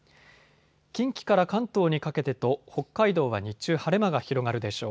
近畿から関東にかけてと北海道は日中晴れ間が広がるでしょう。